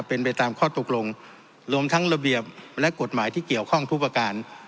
เป็นไปตามข้อตกลงรวมทั้งระเบียบและกฎหมายที่เกี่ยวข้องทุกประการ